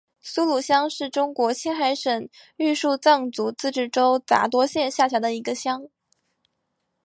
苏鲁乡是中国青海省玉树藏族自治州杂多县下辖的一个乡。